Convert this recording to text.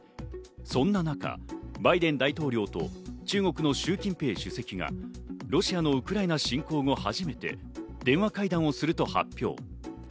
そんな中、バイデン大統領と中国のシュウ・キンペイ主席がロシアのウクライナ侵攻後初めて電話会談をすると発表。